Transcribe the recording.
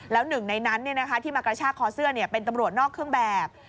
แล้วหนึ่งในนั้นที่มากระชากคอเสื้อเป็นตำรวจนอกเครื่องแบบ